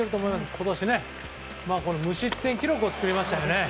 今年無失点記録を作りましたよね。